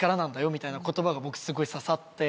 みたいな言葉が僕すごい刺さって。